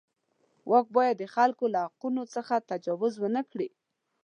واک باید د خلکو له حقونو څخه تجاوز ونه کړي.